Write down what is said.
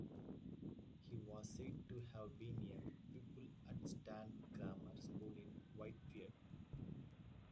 He was said to have been a pupil at Stand Grammar School in Whitefield.